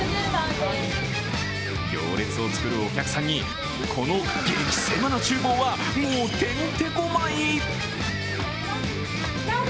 行列を作るお客さんにこの激狭なちゅうぼうはもう、てんてこまい。